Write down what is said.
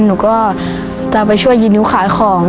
หนูก็จะไปช่วยยินนิ้วขายของ